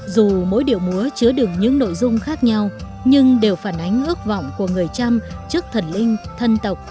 dù mỗi điệu múa chứa đường những nội dung khác nhau nhưng đều phản ánh ước vọng của người trăm trước thần linh thân tộc